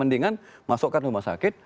mendingan masukkan rumah sakit